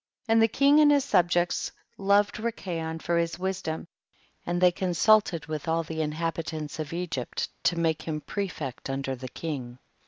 And the king and his subjects loved Kikayon for his wisdom, and they consulted with all the inhabi lants of Egypt to make him prefect under the king.